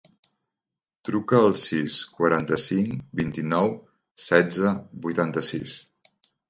Truca al sis, quaranta-cinc, vint-i-nou, setze, vuitanta-sis.